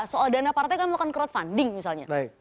soal dana partai kamu melakukan crowdfunding misalnya